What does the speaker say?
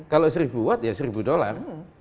kalau seribu watt ya seribu dolar